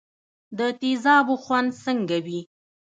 د تیزابو خوند څنګه وي.